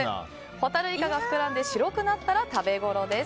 ホタルイカが膨らんで白くなったら食べごろです。